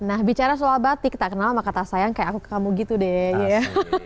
nah bicara soal batik tak kenal sama kata sayang kayak aku ke kamu gitu deh ya